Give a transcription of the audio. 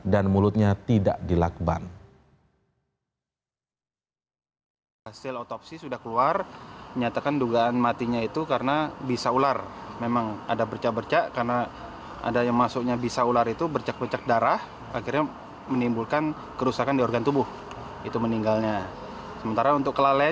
dan mulutnya tidak dilakban